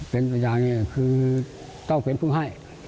ต้องเป็นตัวเองคือต้องเป็นเพื่อให้